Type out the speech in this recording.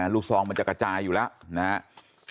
ซองมันจะกระจายอยู่แล้วนะครับ